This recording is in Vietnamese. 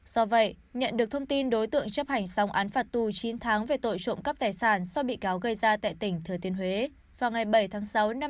do vậy nhận được thông tin đối tượng chấp hành xong án phạt tù chín tháng về tội trộm cắp tài sản do bị cáo gây ra tại tỉnh thừa thiên huế vào ngày bảy tháng sáu năm hai nghìn hai mươi ba